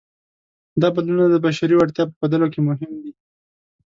دا بدلونونه د بشري وړتیا په ښودلو کې مهم دي.